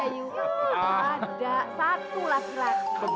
yuk yuk aja yu yuk